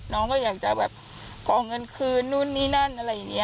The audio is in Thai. น้องก็อยากจะแบบขอเงินคืนนู่นนี่นั่นอะไรอย่างนี้